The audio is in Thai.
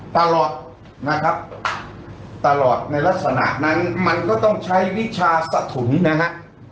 ตลอดนะครับตลอดในลักษณะนั้นมันก็ต้องใช้วิชาสะถุนนะฮะ